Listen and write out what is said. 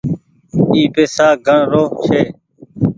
اي پئيسا گڻ رو ڇي۔